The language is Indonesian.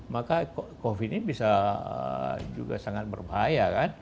maka covid sembilan belas ini bisa juga sangat berbahaya